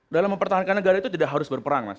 dalam mempertahankan negara itu tidak harus berperang mas